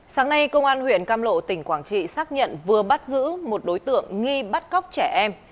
sáng nay công an huyện cam lộ tỉnh quảng trị xác nhận vừa bắt giữ một đối tượng nghi bắt cóc trẻ em